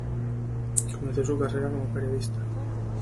Comenzó su carrera como periodista.